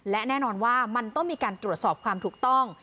และแน่นอนว่ามันต้องมีการตรวจสอบความถูกต้อง